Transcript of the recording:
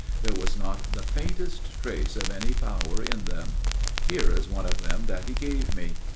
There was not the faintest trace of any power in them. Here is one of them that he gave me."